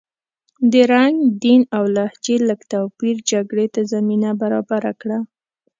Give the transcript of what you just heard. د رنګ، دین او لهجې لږ توپیر جګړې ته زمینه برابره کړه.